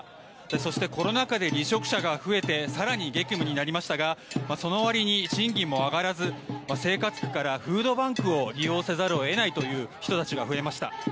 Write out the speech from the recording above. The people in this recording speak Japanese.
そして、コロナ禍で離職者が増えて更に激務になりましたがその割に賃金も上がらず生活苦からフードバンクを利用せざるを得ないという人たちが増えました。